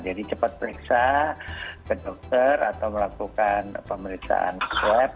jadi cepat periksa ke dokter atau melakukan pemeriksaan swab